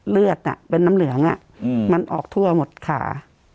เลือดเป็นน้ำเหลืองมันออกทั่วหมดขา